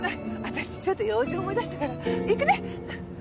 私ちょっと用事思い出したから行くね！